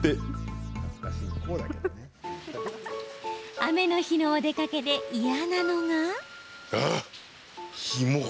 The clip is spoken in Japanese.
雨の日のお出かけで嫌なのが。